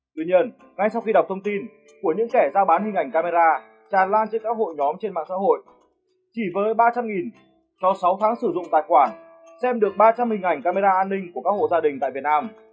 tuy nhiên ngay sau khi đọc thông tin của những kẻ giao bán hình ảnh camera tràn lan trên các hội nhóm trên mạng xã hội chỉ với ba trăm linh sau sáu tháng sử dụng tài khoản xem được ba trăm linh hình ảnh camera an ninh của các hộ gia đình tại việt nam